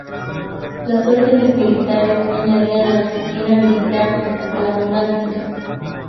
Las órdenes militares añadían la disciplina militar a la monástica.